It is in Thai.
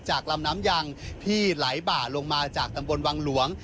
ลำน้ำยังที่ไหลบ่าลงมาจากตำบลวังหลวง